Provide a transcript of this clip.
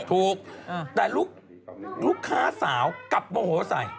ถูกแต่ลูกค้าสาวกลับโมโหใส่